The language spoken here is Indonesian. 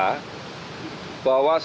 bahwa semua orang yang di sini